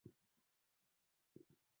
Lakini ujali.